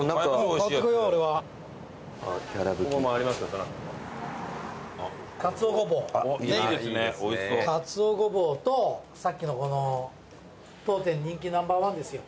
かつおごぼうとさっきのこの当店人気ナンバーワンですよ。